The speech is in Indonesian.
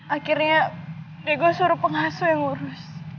akhirnya diego suruh penghasil yang ngurus